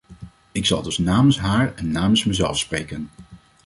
Ik zal dus namens haar en namens mezelf spreken.